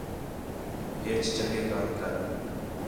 ہیچ چنڳے کَم کر